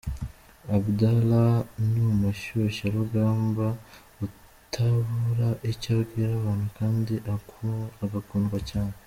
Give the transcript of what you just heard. Abdallah, ni umushyushya rugamba, utabura icyo abwira abantu kandi agakundwa cyane.